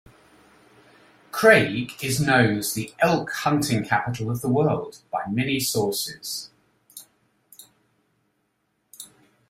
Craig is known as the "Elk Hunting Capital of the World" by many sources.